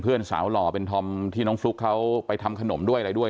เพื่อนสาวหล่อเป็นธอมที่น้องฟลุ๊กเขาไปทำขนมด้วยอะไรด้วย